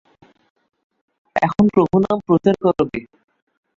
এখন প্রভুর নাম প্রচার করগে।